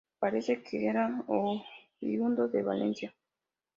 Parece que era oriundo de Valencia.